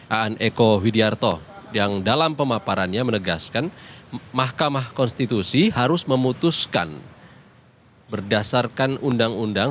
aan eko widiarto yang dalam pemaparannya menegaskan mahkamah konstitusi harus memutuskan berdasarkan undang undang